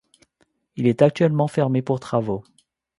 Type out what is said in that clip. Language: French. Il est actuellement fermé pour travaux.